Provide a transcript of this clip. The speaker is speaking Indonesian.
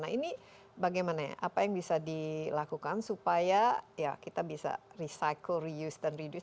nah ini bagaimana apa yang bisa dilakukan supaya ya kita bisa recycle reuse dan reduce